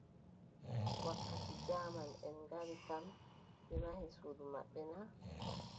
Wakkati jaamaʼen ngari kam, ɓe mahi suudu maɓɓe na ?